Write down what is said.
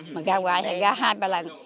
mà gà quại là gà hai ba lần